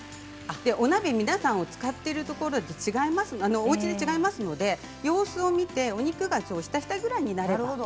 お鍋、皆さんが使っているおうちで違いますので様子を見てお肉がひたひたになるぐらい。